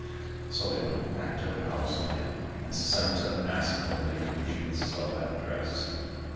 So they went back to the house again, and sent to ask the lady if she would sell that dress.